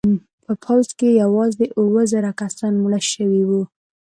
په پوځ کې یوازې اوه زره کسان مړه شوي وو.